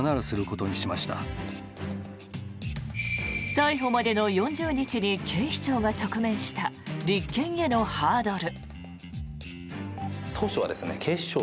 逮捕までの４０日に警視庁が直面した立件へのハードル。